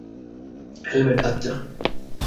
Helmet, আচ্ছা।